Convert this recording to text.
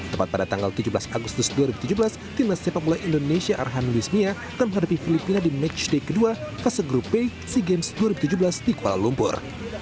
tepat pada tanggal tujuh belas agustus dua ribu tujuh belas timnas sepak bola indonesia arhan luis mia akan menghadapi filipina di matchday kedua fase grup b sea games dua ribu tujuh belas di kuala lumpur